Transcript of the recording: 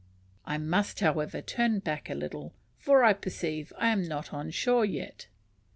I must, however, turn back a little, for I perceive I am not on shore yet.